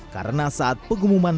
karena saat pengumuman